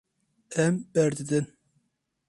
Em berdidin.